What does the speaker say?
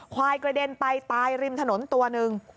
ควายกระเด็นไปตายริมถนนตัวหนึ่ง